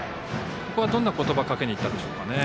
どんな言葉をかけにいったんでしょうか。